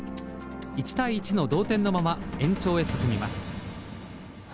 １対１の同点のまま延長へ進みます。